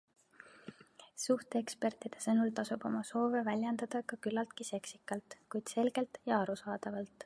Suhteekspertide sõnul tasub oma soove väljendada ka küllaltki seksikalt, kuid selgelt ja arusaadavalt.